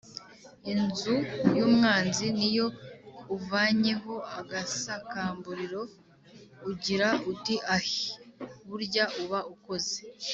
Inzu y’umwanzi niyo uvanyeho agasakamburiro ugira uti ahiii (burya uba ukoze).